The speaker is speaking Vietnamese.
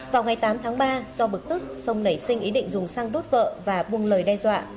vào ngày tám tháng ba do bực tức sông nảy sinh ý định dùng xăng đốt vợ và buông lời đe dọa